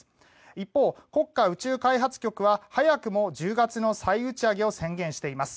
一方、国家宇宙開発局は早くも１０月の再打ち上げを宣言しています。